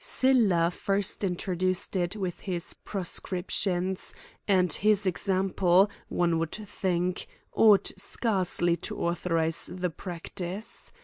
Sylla first introduced it with his pro scriptions, and his example, one would think, ought scarcely to authorise the practice.